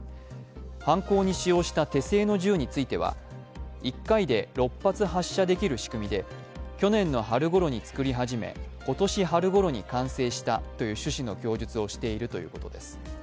犯行に使用した手製の銃については１回で６発発射できる仕組みで去年の春ごろに作り始め今年春ごろに完成したという趣旨の供述をしているということです。